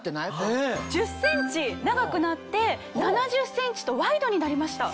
１０ｃｍ長くなって７０ｃｍとワイドになりました。